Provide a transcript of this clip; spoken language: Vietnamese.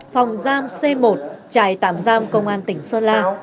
phòng giam c một trại tạm giam công an tỉnh sơn la